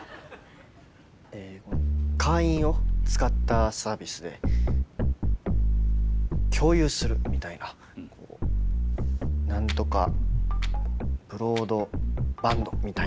会員を使ったサービスで共有するみたいな何とかブロードバンドみたいな。